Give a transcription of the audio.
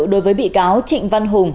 đối với bị cáo trịnh văn hùng